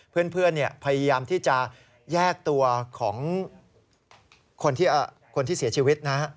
เพื่อนพยายามที่จะแยกตัวของคนที่เสียชีวิตนะฮะ